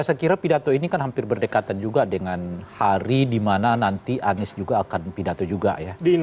saya kira pidato ini kan hampir berdekatan juga dengan hari di mana nanti anies juga akan pidato juga ya